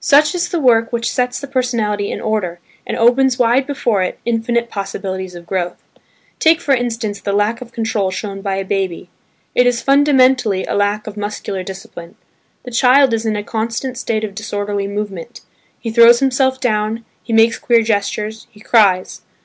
Such is the work which sets the personality in order and opens wide before it infinite possibilities of growth. Take, for instance, the lack of control shown by a baby; it is fundamentally a lack of muscular discipline. The child is in a constant state of disorderly movement: he throws himself down, he makes queer gestures, he cries.